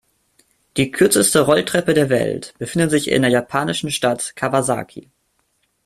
Die kürzeste Rolltreppe der Welt befindet sich in der japanischen Stadt Kawasaki.